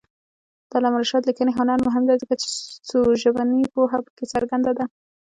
د علامه رشاد لیکنی هنر مهم دی ځکه چې څوژبني پوهه پکې څرګنده ده.